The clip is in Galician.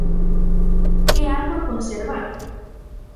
É algo a conservar.